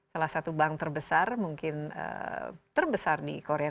salah satu bank terbesar mungkin terbesar di korea